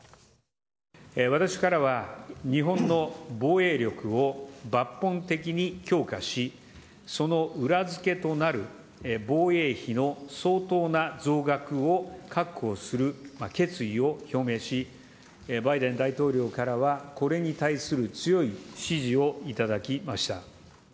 私からは日本の防衛力を抜本的に強化しその裏付けとなる防衛費の相当な増額を確保する決意を表明しバイデン大統領からはこれに対する強い支持をいただきました。